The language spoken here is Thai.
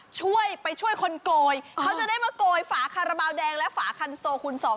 ช่วยไปช่วยคนโกยเขาจะได้มาโกยฝาคาราบาลแดงและฝาคันโซคูณสอง